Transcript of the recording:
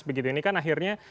begitu ini kan akhirnya